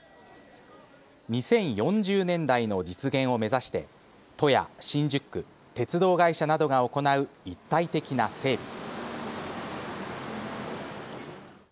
２０４０年代の実現を目指して都や新宿区、鉄道会社などが行う一体的な整備。